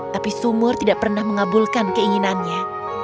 tapi sumur tidak pernah mengabulkan keinginannya